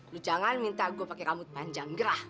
lu jangan minta gue pakai rambut panjang gerah